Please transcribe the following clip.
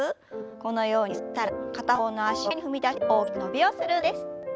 このようにゆすったら片方の脚を前に踏み出して大きく伸びをする運動です。